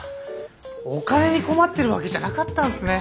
お金に困ってるわけじゃなかったんすね。